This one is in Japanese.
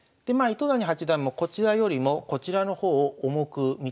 糸谷八段もこちらよりもこちらの方を重く見たわけです。